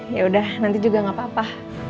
yaudah nanti juga nggak apa apa